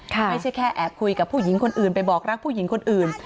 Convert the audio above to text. ไม่ใช่แค่แอบคุยกับผู้หญิงคนอื่นไปบอกรักผู้หญิงคนอื่น